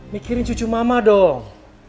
mikirin cucu mama dong